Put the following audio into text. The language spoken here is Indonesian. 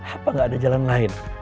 apa nggak ada jalan lain